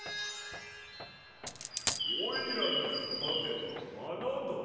おいらがそだてたはなだ。